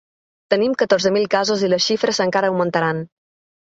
Tenim catorze mil casos i les xifres encara augmentaran.